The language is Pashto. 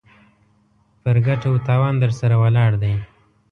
پر ګټه و تاوان درسره ولاړ دی.